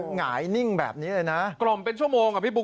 หงายนิ่งแบบนี้เลยนะกล่อมเป็นชั่วโมงอ่ะพี่บุ๊